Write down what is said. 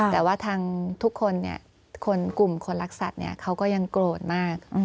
แต่ว่าทุกคนกลุ่มคนรักษัตริย์เขาก็ยังโกรธมาก